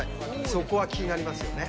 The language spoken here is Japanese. そこは気になりますよね。